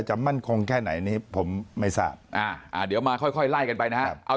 มั่นคงแค่ไหนนี้ผมไม่ทราบเดี๋ยวมาค่อยไล่กันไปนะครับ